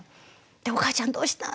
で「おかあちゃんどうしたん？」